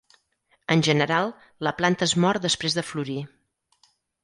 En general, la planta es mor després de florir.